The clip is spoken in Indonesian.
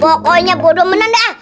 pokoknya bodo menanda